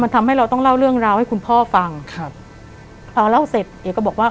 ทำให้เราต้องเล่าเรื่องราวให้คุณพ่อฟังครับอ่าเล่าเสร็จเอกก็บอกว่า